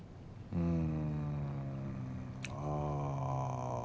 うん。